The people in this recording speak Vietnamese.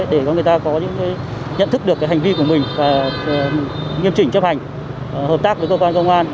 để cho người ta có những cái nhận thức được cái hành vi của mình và nghiêm trình chấp hành hợp tác với cơ quan công an